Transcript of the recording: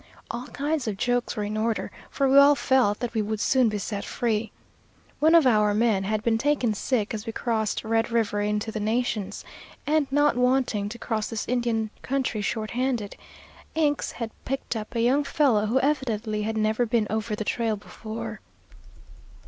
All kinds of jokes were in order, for we all felt that we would soon be set free. One of our men had been taken sick, as we crossed Red River into the Nations, and not wanting to cross this Indian country short handed, Inks had picked up a young fellow who evidently had never been over the trail before.